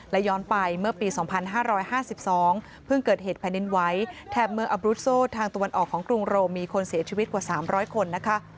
และย้อนไปเมื่อปี๒๕๕๒เพิ่งเกิดเหตุแผ่นดินไหวแถบเมืองอบรุโซทางตะวันออกของกรุงโรมีคนเสียชีวิตกว่า๓๐๐คนนะคะ